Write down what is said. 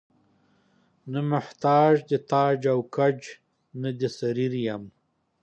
نه محتاج د تاج او ګنج نه د سریر یم.